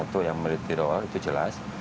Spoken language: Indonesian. satu yang memiliki role itu jelas